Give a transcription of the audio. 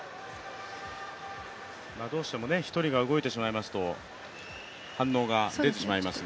どうしても１人が動いてしまいますと反応が出てしまいますが。